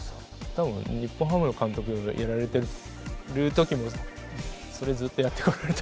多分日本ハムの監督やられてる時もそれずっとやってこられたと。